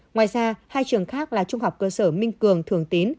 ngoài ra hai trường khác là trung học cơ sở minh cường thường tín